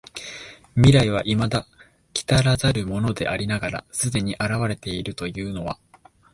未来は未だ来らざるものでありながら既に現れているというのは、